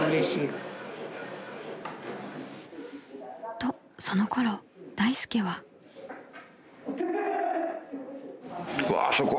［とそのころ大助は］うわそこ。